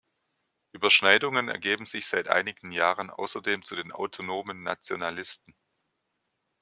Überschneidungen ergeben sich seit einigen Jahren außerdem zu den Autonomen Nationalisten.